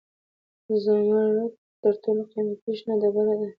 زمرد تر ټولو قیمتي شنه ډبره ده.